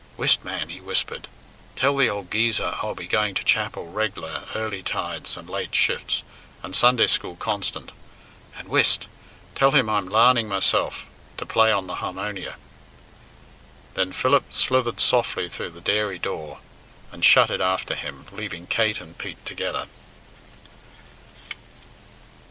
"Whist, man!" he whispered. "Tell the old geezer I'll be going to chapel reglar early tides and late shifts, and Sunday school constant. And, whist! tell him I'm larning myself to play on the harmonia." Then Philip slithered softly through the dairy door, and shut it after him, leaving Kate and Pete together.